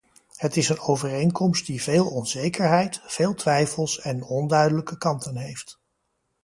Het is een overeenkomst die veel onzekerheid, veel twijfels en onduidelijke kanten heeft.